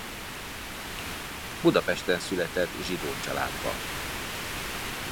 Budapesten született zsidó családba.